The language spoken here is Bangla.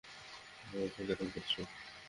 আমরা এইটা দখল করছি!